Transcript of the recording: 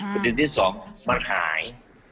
ประเด็นที่สองมันหาย